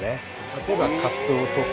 例えばカツオとか。